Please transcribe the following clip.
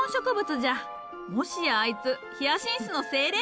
もしやあいつヒアシンスの精霊？